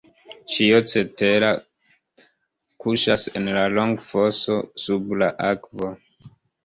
Ĉio cetera kuŝas en la longfoso sub la akvo.